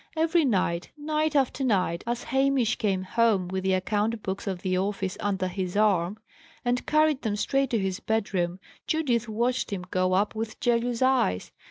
Every night, night after night, as Hamish came home with the account books of the office under his arm, and carried them straight to his bedroom, Judith watched him go up with jealous eyes.